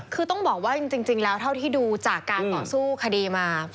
คือต้องบอกว่าจริงแล้วเท่าที่ดูจากการต่อสู้คดีมา